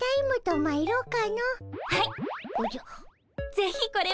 ぜひこれを。